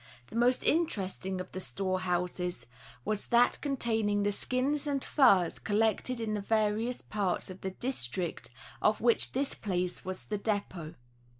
The most interesting of the store houses was that containing the skins and furs collected in the various parts of the 174 National Geographic Magazine. district of which this place was the dépét.